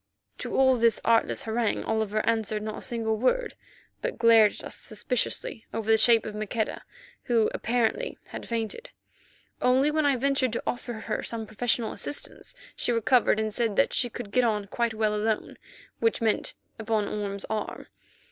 To all this artless harangue Oliver answered not a single word, but glared at us suspiciously over the shape of Maqueda, who apparently had fainted. Only when I ventured to offer her some professional assistance she recovered, and said that she could get on quite well alone, which meant upon Orme's arm.